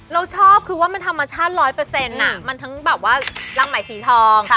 เราชอบคือว่ามันธรรมชาติ๑๐๐มันทั้งแบบว่ารังไหมสีทอง